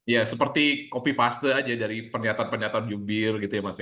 ya seperti copy paste saja dari pernyataan pernyataan jumbir